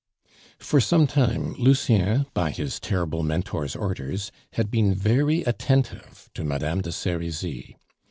For some time Lucien, by his terrible Mentor's orders, had been very attentive to Madame de Serizy.